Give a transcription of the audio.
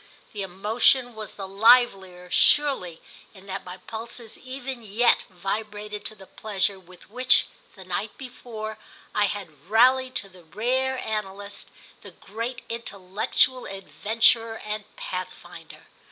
The emotion was the livelier surely in that my pulses even yet vibrated to the pleasure with which, the night before, I had rallied to the rare analyst, the great intellectual adventurer and pathfinder.